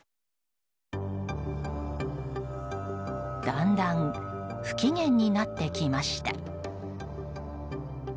だんだん不機嫌になってきました。